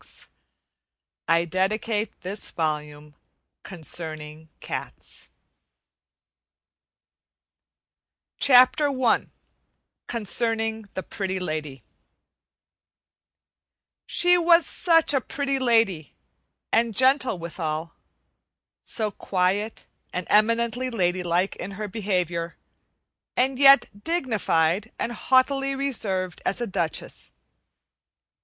XIV. CONCERNING CAT LANGUAGE. Concerning Cats CHAPTER I CONCERNING THE "PRETTY LADY" She was such a Pretty Lady, and gentle withal; so quiet and eminently ladylike in her behavior, and yet dignified and haughtily reserved as a duchess.